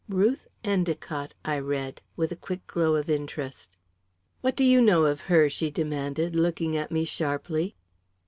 "'Ruth Endicott,'" I read, with a quick glow of interest. "What do you know of her?" she demanded, looking at me sharply.